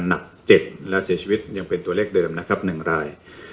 หนัก๗และเสียชีวิตยังเป็นตัวเลขเดิมนะครับ๑ราย